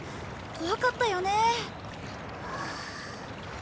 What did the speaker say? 怖かったよね。